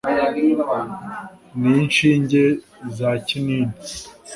n’inshinge za kinini